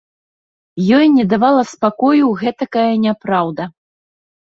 Ёй не давала спакою гэтакая няпраўда.